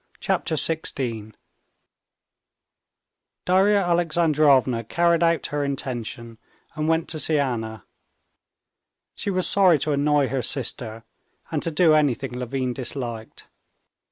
Chapter 16 Darya Alexandrovna carried out her intention and went to see Anna. She was sorry to annoy her sister and to do anything Levin disliked.